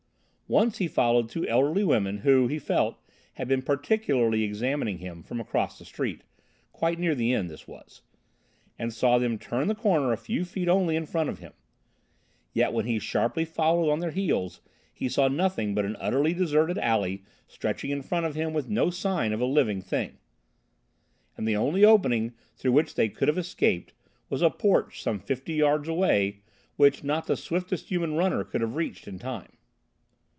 Once he followed two elderly women who, he felt, had been particularly examining him from across the street—quite near the inn this was—and saw them turn the corner a few feet only in front of him. Yet when he sharply followed on their heels he saw nothing but an utterly deserted alley stretching in front of him with no sign of a living thing. And the only opening through which they could have escaped was a porch some fifty yards away, which not the swiftest human runner could have reached in time.